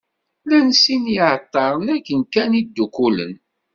Llan sin n yiεeṭṭaren akken kan i ddukkulen.